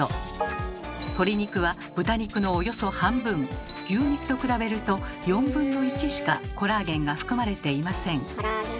鶏肉は豚肉のおよそ半分牛肉と比べると４分の１しかコラーゲンが含まれていません。